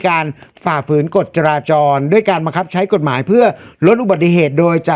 ฝ่าฝืนกฎจราจรด้วยการบังคับใช้กฎหมายเพื่อลดอุบัติเหตุโดยจะ